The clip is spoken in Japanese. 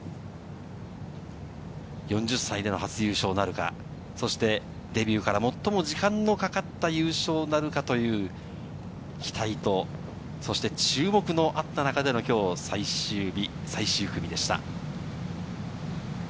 ４０歳での初優勝なるか、そしてデビューから最も時間のかかった優勝なるか？という、期待と注目のあった中での最終日・最終組でした。